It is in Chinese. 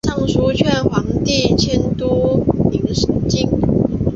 上书劝皇帝迁都汴京。